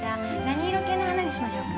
何色系の花にしましょうか？